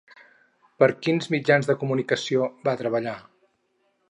Per quins mitjans de comunicació va treballar?